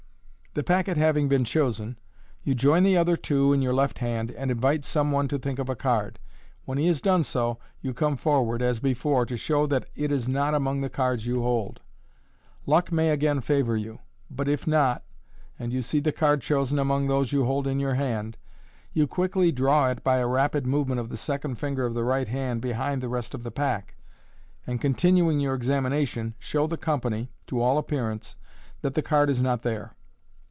The packet having been chosen, you join the other two in your left hand, and invite some one to think of a card. When he has done so, you come forward, as before, to show that it is not among the cards you hold. Luck may again favour you j but if not, and fou see the card chosen among those you hold in your hand, you quickly draw it, by a rapid movement of the second finger of the right hand, behind the rest of the pack, and, continuing your examin ation, show the company, to all appearance, that the card is not there.